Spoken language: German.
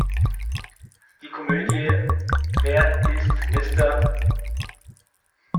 Die Komödie „Wer ist Mr.